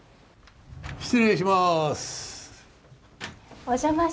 失礼します。